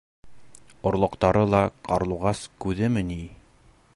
Орлоҡтары ла ҡарлуғас күҙеме ни!..